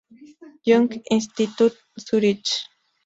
Jung-Institut Zürich.